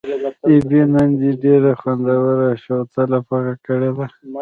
ابۍ نن دې ډېره خوندوره شوتله پخه کړې ده.